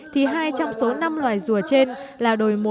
thì hai trong số năm loài dùa trên là đồi mùa